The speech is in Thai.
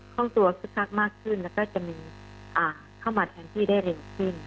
คล่องตัวสุดท้ายมากขึ้นแล้วก็จะมีเข้ามาทางที่ได้เร็งขึ้น